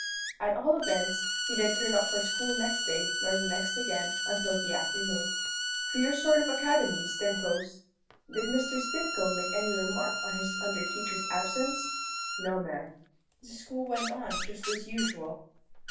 "At all events, he didn't turn up for school next day, nor the next again, until the afternoon. Queer sort of academy, Stimcoe's. Did Mr. Stimcoe make any remark on his under teacher's absence?" "No, ma'am." "The school went on just as usual?"